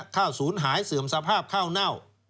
ข้าวสูญหายเสื่อมสภาพข้าวเน่า